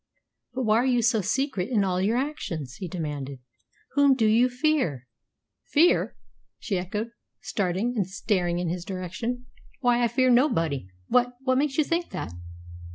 "But why are you so secret in all your actions?" he demanded. "Whom do you fear?" "Fear!" she echoed, starting and staring in his direction. "Why, I fear nobody! What what makes you think that?"